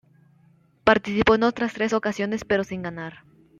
Participó en otras tres ocasiones pero sin ganar.